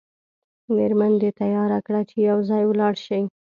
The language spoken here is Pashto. میرمن دې تیاره کړه چې یو ځای ولاړ شئ.